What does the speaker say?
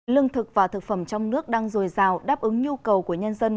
lương thực và thực phẩm trong nước đang dồi dào đáp ứng nhu cầu của nhân dân